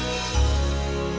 sampai jumpa lagi